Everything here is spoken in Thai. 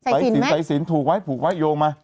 หายสิงหายสินถูกไว้ผุกไว้โยงมา